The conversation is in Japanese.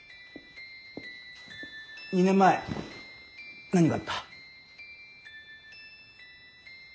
２年前何があった？